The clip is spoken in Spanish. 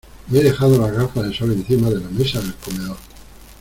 Me he dejado las gafas de sol encima de la mesa del comedor.